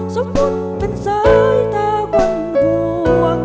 สมมุติเป็นสายตากล้นบวง